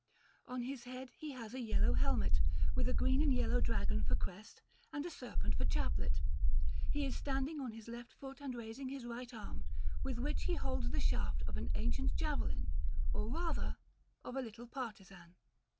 On his head he has a yellow helmet, with a green and yellow dragon for crest and a serpent for chaplet. He is standing on his left foot and raising his right arm, with which he holds the shaft of an ancient javelin, or rather, of a little partisan.